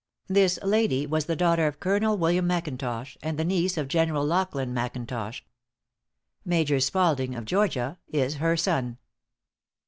This lady was the daughter of Colonel William McIntosh, and the niece of General Lachlan McIntosh. Major Spalding, of Georgia, is her son.